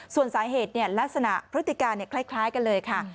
ส่วนสาเหตุเนี่ยลักษณะพฤติการณ์เนี่ยคล้ายกันเลยค่ะ